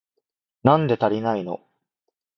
なんで足りないの？